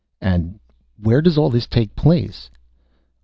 "And where does all this take place?"